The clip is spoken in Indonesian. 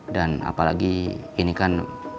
dan apalagi ini kan